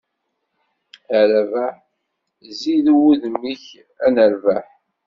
A Rabaḥ! Zzi-d udem-k ad nerbeḥ.